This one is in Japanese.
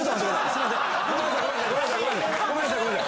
すいません。